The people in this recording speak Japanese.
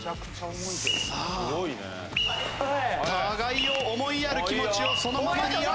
互いを思いやる気持ちをそのままに。